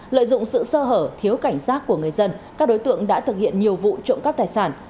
lợi dụng sự sơ hở thiếu cảnh giác của người dân các đối tượng đã thực hiện nhiều vụ trộm cắp tài sản